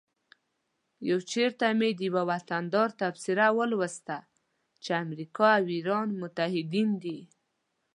یو چیرته مې د یوه وطندار تبصره ولوسته چې امریکا او ایران متعهدین دي